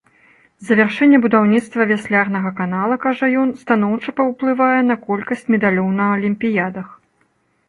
Завяршэнне будаўніцтва вяслярнага канала, кажа ён, станоўча паўплывае на колькасць медалёў на алімпіядах.